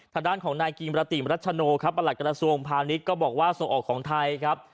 ข้างด้านของนายกิมพระติมรัชโชนูอกรสวงภาวนิดก็บอกว่าส่งออกของไทยครับ